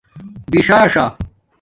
بِݽݽاݽا